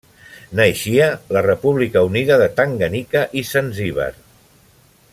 Naixia la República Unida de Tanganyika i Zanzíbar.